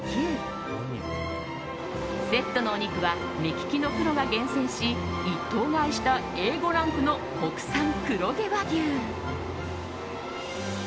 セットのお肉は目利きのプロが厳選し１頭買いしたＡ５ランクの国産黒毛和牛。